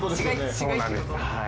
そうなんですはい。